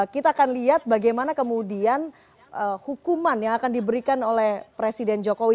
kita akan lihat bagaimana kemudian hukuman yang akan diberikan oleh presiden jokowi